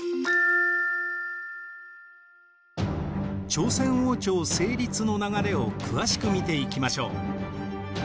朝鮮王朝成立の流れを詳しく見ていきましょう。